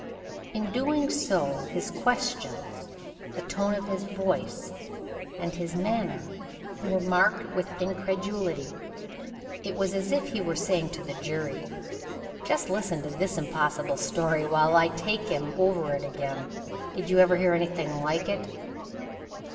In doing so his questions, the tone of his voice, and his manner were marked with incredulity. It was as if he were saying to the jury: "Just listen to this impossible story while I take him over it again. Did you ever hear anything like it?"